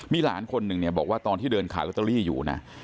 มีหลานคนหนึ่งเนี่ยบอกว่าตอนที่เดินขายลอตเตอรี่อยู่นะ